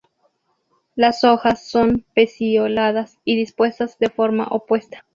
Las hojas son pecioladas y dispuestas de forma opuesta.